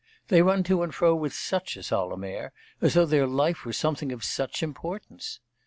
They run to and fro with such a solemn air, as though their life were something of such importance!